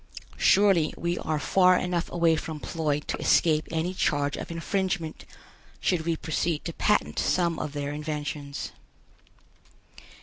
Surely we are far enough away from Ploid to escape any charge of infringement, should we proceed to patent some of their inventions.